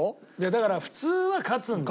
だから普通は勝つんですよ。